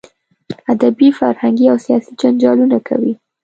ادبي، فرهنګي او سیاسي جنجالونه کوي.